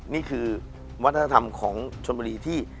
นี่คือวัฒนธรรมของชนบุรีที่